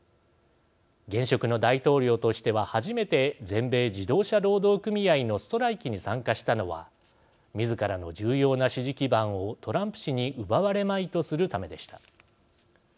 現職の大統領としては初めて全米自動車労働組合のストライキに参加したのはみずからの重要な支持基盤をトランプ氏に奪われまいとするためでした。